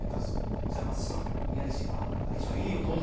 そしたら松島宮城人は「いいよどうぞ。